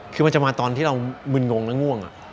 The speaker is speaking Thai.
คือมันจะมาตอนที่เรามึนงงและง่วง